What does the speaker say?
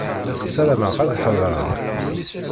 Sarameɣ ad ḥeḍreɣ.